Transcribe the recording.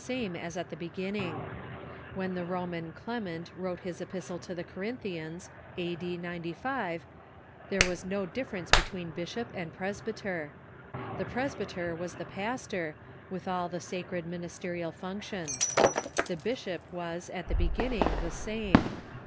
same as at thebefjinninc^, Wlien the Roman Clem Greater Clergy i • tt • i i • i • ent wrote his Ji, pistle to tlie Corinthians, a.d, 95, there was no difference between bishop and presbyter. The presbyter was the pastor, with all the sacred ministerial func tions. The bishop was, at the beginning, the same.